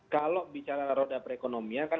kalau bicara roda perekonomian kan